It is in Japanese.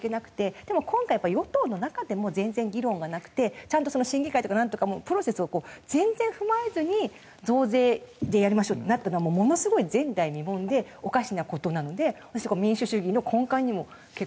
でも今回与党の中でも全然議論がなくてちゃんと審議会とかなんとかプロセスを全然踏まえずに増税でやりましょうってなったのはものすごい前代未聞でおかしな事なので民主主義の根幹にも結構。